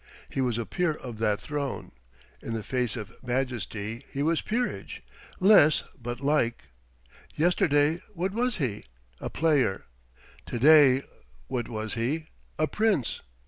He was a peer of that throne. In the face of majesty he was peerage; less, but like. Yesterday, what was he? A player. To day, what was he? A prince.